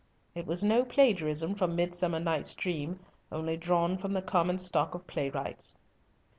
It was no plagiarism from "Midsummer Night's Dream," only drawn from the common stock of playwrights.